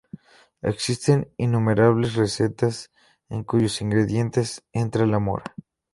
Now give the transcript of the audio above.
Existen innumerables recetas en cuyos ingredientes entra la mora.